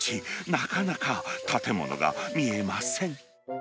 なかなか建物が見えません。